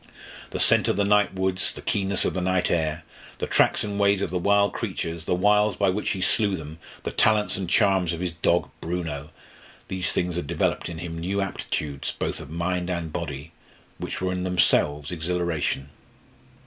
The scent of the night woods, the keenness of the night air, the tracks and ways of the wild creatures, the wiles by which he slew them, the talents and charms of his dog Bruno these things had developed in him new aptitudes both of mind and body, which were in themselves exhilaration.